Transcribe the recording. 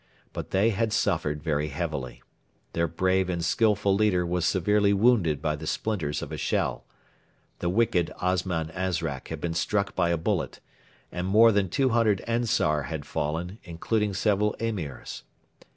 But they had suffered very heavily. Their brave and skilful leader was severely wounded by the splinters of a shell. The wicked Osman Azrak had been struck by a bullet, and more than 200 Ansar had fallen, including several Emirs.